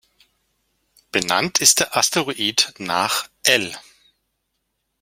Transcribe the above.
Benannt ist der Asteroid nach "L.